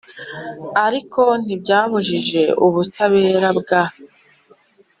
ariko ntibyabujije ubutabera bwa